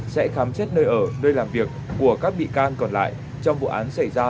sẽ khám xét nơi ở nơi làm việc của các bị can còn lại trong vụ án xảy ra